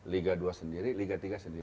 liga dua sendiri liga tiga sendiri